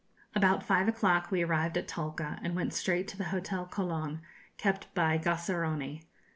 About five o'clock we arrived at Talca, and went straight to the Hotel Colon, kept by Gassaroni.